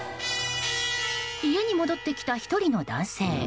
家に戻ってきた１人の男性。